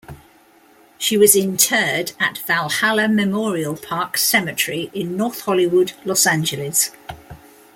She was interred at Valhalla Memorial Park Cemetery in North Hollywood, Los Angeles.